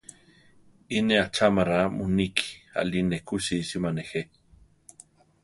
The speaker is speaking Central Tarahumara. Iʼ ne achámara muníki; aʼlí ne ku sísima nejé.